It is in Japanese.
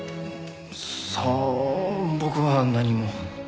さあ僕は何も。